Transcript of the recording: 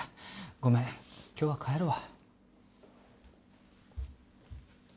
ごめん今日は帰るわ。